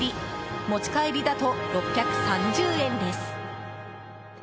持ち帰りだと６３０円です。